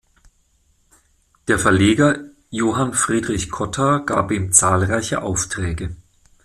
Der Verleger Johann Friedrich Cotta gab ihm zahlreiche Aufträge.